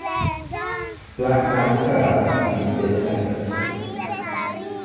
Blackmouth Cur use this method.